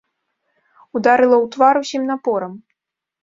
Ударыла ў твар усім напорам.